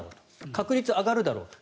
確率上がるだろうと。